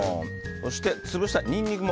そして潰したニンニクも。